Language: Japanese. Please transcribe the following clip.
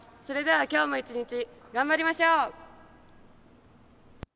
それでは今日も一日頑張りましょう。